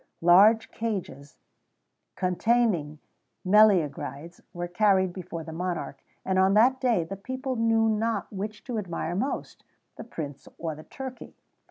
Large cages, containing meleagrides, were carried before the monarch, and on that day the people knew not which to admire most the prince or the turkey.